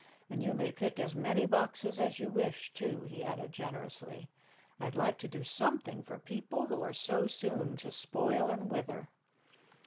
And you may pick as many boxes as you wish, too," he added generously. "I'd like to do something for people who are so soon to spoil and wither."